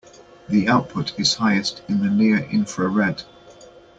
The output is highest in the near infrared.